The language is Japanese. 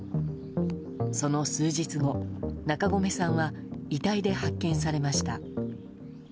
その数日後、中込さんは遺体で発見されました。